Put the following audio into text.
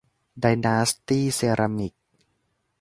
ไดนาสตี้เซรามิค